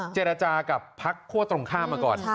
เจรจากับพักคั่วตรงข้ามมาก่อน